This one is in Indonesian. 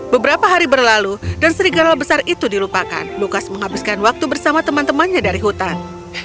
beberapa hari berlalu dan serigala besar itu dilupakan lukas menghabiskan waktu bersama teman temannya dari hutan